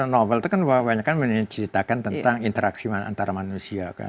novel itu kan banyak menceritakan tentang interaksi antara manusia